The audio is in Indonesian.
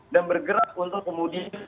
dan bergerak untuk kemudian